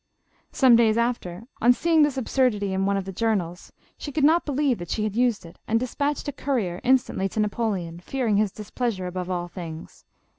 Some days after, on seeing this absurdity in one of the journals, she could not believe that she had used it, and despatched a courier instantly to Napoleon, fear ing his displeasure above all things.